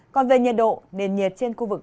còn về nhiệt độ nền nhiệt trên khu vực